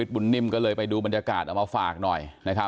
บุญนิ่มก็เลยไปดูบรรยากาศเอามาฝากหน่อยนะครับ